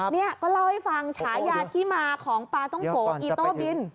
นี่ก็เล่าให้ฟังฉายาที่มาของปลาต้องโกอีโต้บิน